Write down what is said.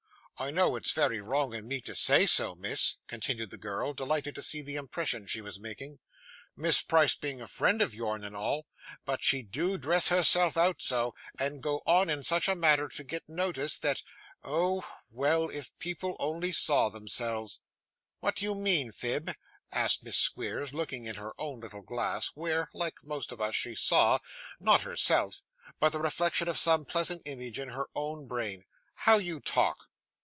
'I know it's very wrong in me to say so, miss,' continued the girl, delighted to see the impression she was making, 'Miss Price being a friend of your'n, and all; but she do dress herself out so, and go on in such a manner to get noticed, that oh well, if people only saw themselves!' 'What do you mean, Phib?' asked Miss Squeers, looking in her own little glass, where, like most of us, she saw not herself, but the reflection of some pleasant image in her own brain. 'How you talk!